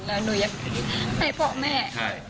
เราก็อยากไปพ่อแม่